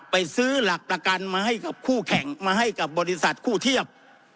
ไปซื้อหลักประกันมาให้กับคู่แข่งมาให้กับบริษัทคู่เทียบ